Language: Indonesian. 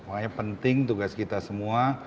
makanya penting tugas kita semua